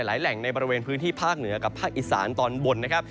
หลายแหล่งในบริเวณพื้นที่ภาคเหนือกับภาคอีสานตอนบนนะครับ